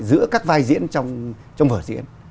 giữa các vai diễn trong vở diễn